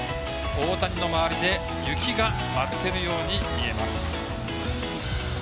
大谷の周りで雪が舞っているように見えます。